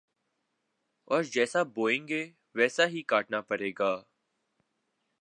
، اور جیسا بوئیں گے ویسا ہی کاٹنا پڑے گا